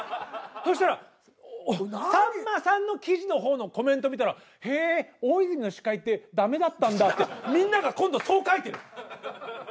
そしたらさんまさんの記事の方のコメント見たら「へえ大泉の司会ってダメだったんだ」ってみんなが今度そう書いてる。